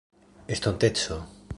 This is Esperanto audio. estonteco